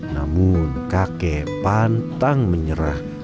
namun kakek pantang menyerah